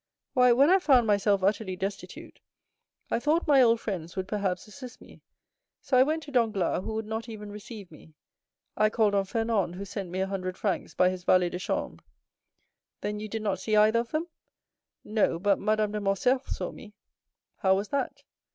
"Why, when I found myself utterly destitute, I thought my old friends would, perhaps, assist me. So I went to Danglars, who would not even receive me. I called on Fernand, who sent me a hundred francs by his valet de chambre." "Then you did not see either of them?" "No, but Madame de Morcerf saw me." "How was that?"